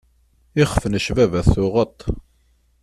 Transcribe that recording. Ixef n cbabat tuɣeḍ-t.